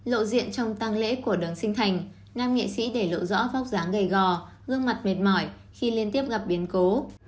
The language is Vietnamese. lộ diện trong tăng lễ của đoàn sinh thành nam nghệ sĩ để lộ rõ vóc dáng gầy gò gương mặt mệt mỏi khi liên tiếp gặp biến cố